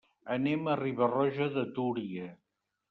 Anem a Riba-roja de Túria.